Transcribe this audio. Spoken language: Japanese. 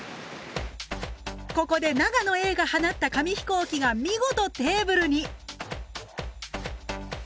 ここで長野Ａが放った紙飛行機が見事テーブルに！